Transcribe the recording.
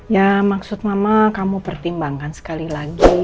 ya maksud mama kamu pertimbangkan sekali lagi